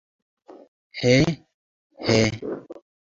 He, he!